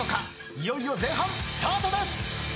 いよいよ前半スタートです。